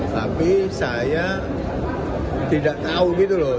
tapi saya tidak tahu gitu loh